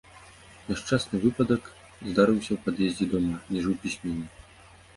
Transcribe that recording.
Няшчасны выпадак здарыўся ў пад'ездзе дома, дзе жыў пісьменнік.